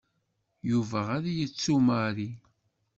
Yuba ad yettu Mary.